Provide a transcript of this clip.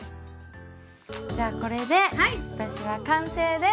じゃあこれで私は完成です！